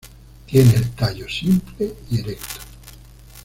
Tiene el tallo simple y erecto.